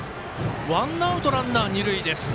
ワンアウト、ランナー、二塁です。